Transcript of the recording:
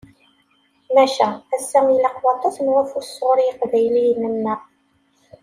Maca, ass-a ilaq waṭas n ufus sɣur yiqbayliyen-nneɣ.